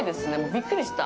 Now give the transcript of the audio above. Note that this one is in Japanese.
びっくりした。